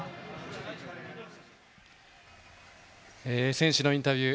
選手のインタビュー